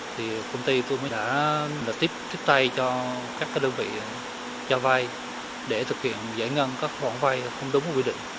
thì công ty tôi mới đã tiếp tay cho các đơn vị cho vay để thực hiện giải ngân các khoản vay không đúng quy định